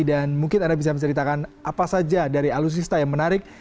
dan mungkin anda bisa menceritakan apa saja dari alusista yang menarik